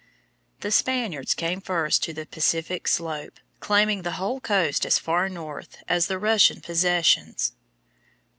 The Spaniards came first to the Pacific slope, claiming the whole coast as far north as the Russian possessions.